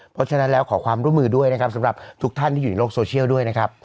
เพราะฉะนั้นแล้วขอความร่วมมือด้วยนะครับสำหรับทุกท่านที่อยู่ในโลกโซเชียลด้วยนะครับ